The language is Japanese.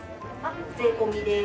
税込です。